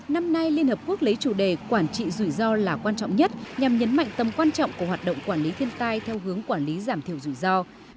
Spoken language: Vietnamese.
năm nay liên hợp quốc lấy chủ đề quản trị rủi ro là quan trọng nhất nhằm nhấn mạnh tầm quan trọng của hoạt động quản lý thiên tai theo hướng quản lý giảm thiểu rủi ro